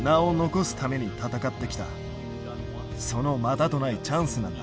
そのまたとないチャンスなんだ。